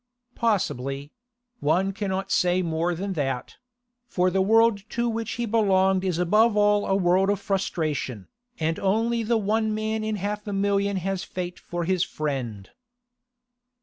Possibly; one cannot say more than that; for the world to which he belonged is above all a world of frustration, and only the one man in half a million has fate for his friend.